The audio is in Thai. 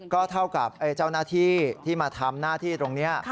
ก็เท่ากับเจ้าหน้าที่ที่มาทำหน้าที่ตรงนี้